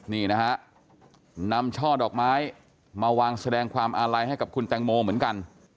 นี่นะฮะนำช่อดอกไม้มาวางแสดงความอาลัยให้กับคุณแตงโมเหมือนกัน